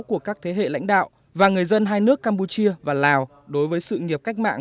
của các thế hệ lãnh đạo và người dân hai nước campuchia và lào đối với sự nghiệp cách mạng